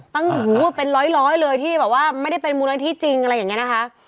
หูเป็นร้อยเลยที่แบบว่าไม่ได้เป็นมูลนิธิจริงอะไรอย่างนี้นะคะ